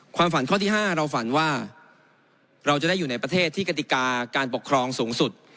ฝันข้อที่๕เราฝันว่าเราจะได้อยู่ในประเทศที่กติกาการปกครองสูงสุด